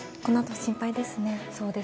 心配ですね。